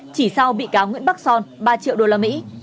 chỉ sau bị cáo nguyễn bắc son ba triệu đô la mỹ